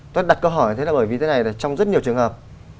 tôi đặt câu hỏi thế là bởi vì thế này trong rất nhiều trường hợp